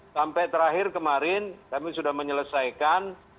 sampai terakhir kemarin kami sudah menyelesaikan